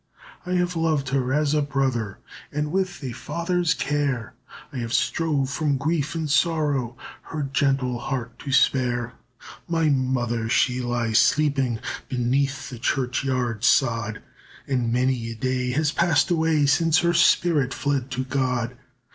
I have loved her as a brother, And with a father's care I have strove from grief and sorrov Her gentle heart to spare. "My mother, she lies sleeping Beneath the church yard sod, And many a day has passed away Since her spirit fled to God.